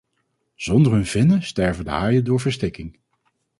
Zonder hun vinnen sterven de haaien door verstikking.